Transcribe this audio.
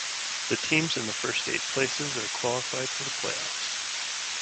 The teams in the first eight places are qualified for the playoffs.